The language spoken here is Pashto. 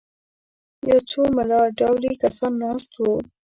یو څو ملا ډولي کسان ناست وو.